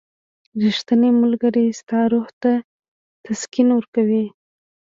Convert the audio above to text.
• ریښتینی ملګری ستا روح ته تسکین ورکوي.